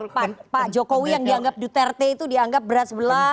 dan pak jokowi yang dianggap duterte itu dianggap berat sebelah